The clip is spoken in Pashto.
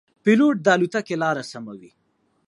پیلوټ د الوتکې لاره سموي.